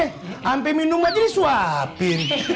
hai sampai minumnya jborne hahaha